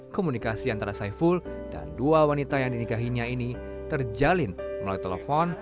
komunikasi antara saiful dan dua wanita yang dinikahinya ini terjalin melalui telepon